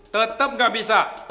tetep gak bisa